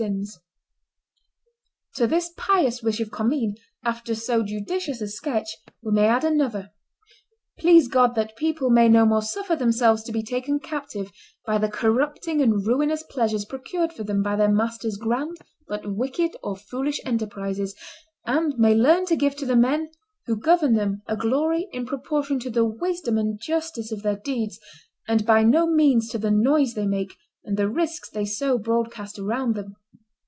[Illustration: The Corpse of Charles the Rash Discovered 236] To this pious wish of Commynes, after so judicious a sketch, we may add another: Please God that people may no more suffer themselves to be taken captive by the corrupting and ruinous pleasures procured for them by their masters' grand but wicked or foolish enterprises, and may learn to give to the men who govern them a glory in proportion to the wisdom and justice of their deeds, and by no means to the noise they make and the risks they sow broadcast around them!